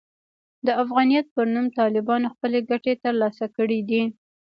د افغانیت پر نوم طالبانو خپلې ګټې ترلاسه کړې دي.